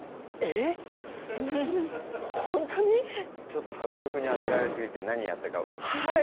ちょっと迫力にあてられすぎて何やったか。